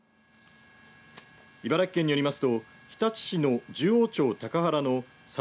茨城県によりますと日立市の十王町高原の沢